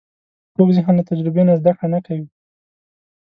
کوږ ذهن له تجربې نه زده کړه نه کوي